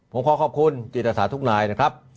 ผมขอขอบคุณจิตศาสตร์ทุกนายนะครับ